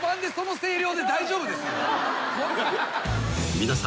［皆さん。